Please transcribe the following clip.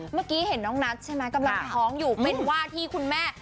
เมื่อกี้เห็นน้องนัทร้องเป็นวาที่คุณแม่